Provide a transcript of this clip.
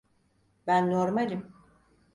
Ben normalim.